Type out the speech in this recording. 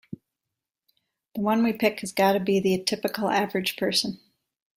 The one we pick has gotta be the typical average person.